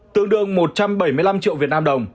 tương đương một trăm bảy mươi năm triệu việt nam đồng